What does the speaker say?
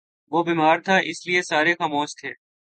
وہ بیمار تھا، اسی لئیے سارے خاموش تھے